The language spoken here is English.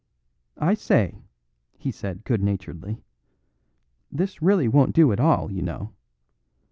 "I say," he said good naturedly, "this really won't do at all, you know.